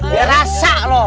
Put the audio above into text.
dia rasa loh